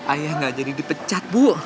ayah gak jadi di pecat bu